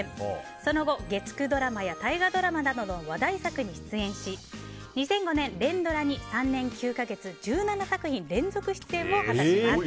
その後月９ドラマや大河ドラマなどの話題作に出演し、２００５年連ドラに３年９か月１７作品連続出演を果たします。